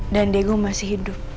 dan diego masih hidup